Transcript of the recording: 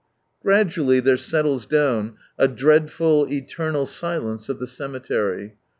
Gradually there settles down a dreadful, eternal silence of the cemetery.